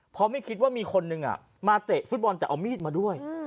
เพราะไม่คิดว่ามีคนนึงมาเตะฟุตบอลแต่เอามีดมาด้วย